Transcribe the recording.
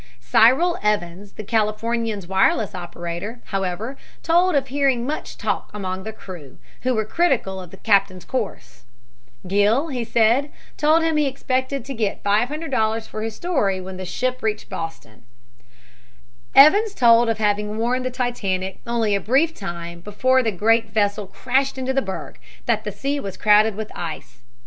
Cyril Evans, the Californian's wireless operator, however, told of hearing much talk among the crew, who were critical of the captain's course. Gill, he said, told him he expected to get $500 for his story when the ship reached Boston. Evans told of having warned the Titanic only a brief time before the great vessel crashed into the berg that the sea was crowded with ice.